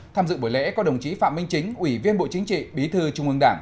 tham dự buổi lễ có đồng chí phạm minh chính ủy viên bộ chính trị bí thư trung ương đảng